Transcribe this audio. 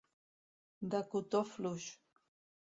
De cotó fluix.